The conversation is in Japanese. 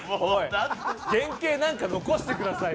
原型何か残してくださいよ。